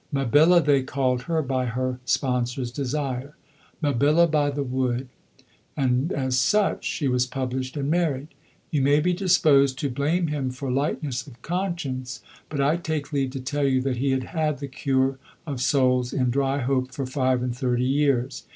Mabilla they called her by her sponsor's desire, "Mabilla By the Wood," and as such she was published and married. You may be disposed to blame him for lightness of conscience, but I take leave to tell you that he had had the cure of souls in Dryhope for five and thirty years.